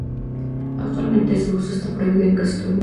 Actualmente su uso está prohibido en casi todo el mundo.